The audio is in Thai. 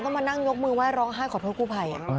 ก็มานั่งยกมือไห้ร้องไห้ขอโทษกู้ภัย